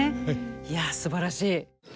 いやすばらしい。